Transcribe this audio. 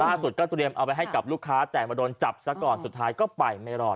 ก็เตรียมเอาไปให้กับลูกค้าแต่มาโดนจับซะก่อนสุดท้ายก็ไปไม่รอด